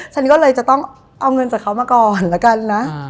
ฉันก็เลยจะต้องเอาเงินจากเขามาก่อนแล้วกันนะ